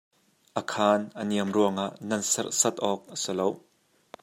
A khan a niam ruangah nan serhsat awk a si lo.